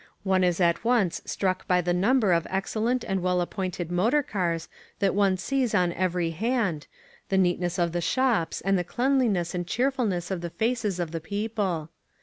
One is at once struck by the number of excellent and well appointed motor cars that one sees on every hand, the neatness of the shops and the cleanliness and cheerfulness of the faces of the people.